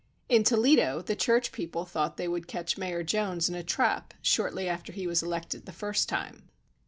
In Toledo the church people thought they would catch Mayor Jones in a trap shortly after he was elected the first time.